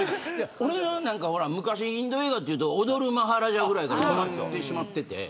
俺は昔、インド映画というと踊るマハラジャぐらいで止まってしまってて。